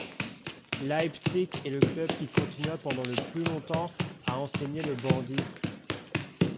Leipzig est le club qui continua pendant le plus longtemps à enseigner le bandy.